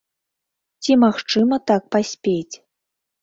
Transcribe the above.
Ці магчыма так паспець?